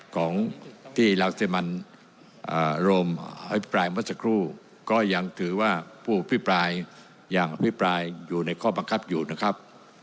ของที่ลาวเซมันโรมให้พิพรายเมื่อสักครู่ก็ยังถือว่าผู้พิพรายอย่างพิพรายอยู่ในข้อบังคับอยู่นะครับ